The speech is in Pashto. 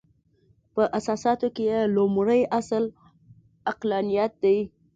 په اساساتو کې یې لومړۍ اصل عقلانیت دی.